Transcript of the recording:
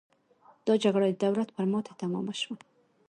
دا جګړه د دولت پر ماتې تمامه شوه.